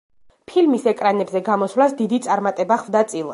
ფილმის ეკრანებზე გამოსვლას დიდი წარმატება ხვდა წილად.